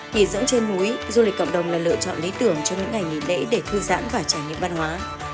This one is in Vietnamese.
nhìn dẫn trên núi du lịch cộng đồng là lựa chọn lý tưởng cho những ngày nghỉ lễ để thư giãn và trải nghiệm văn hóa